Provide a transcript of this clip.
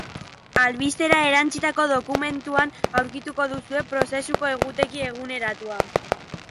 Albistera erantsitako dokumentuan aurkituko duzue prozesuko egutegi eguneratua.